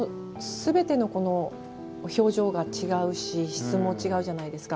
すべての表情が違うし質も違うじゃないですか。